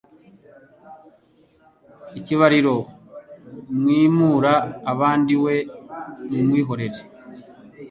Ikibariro mwimura abandi we mumwihorere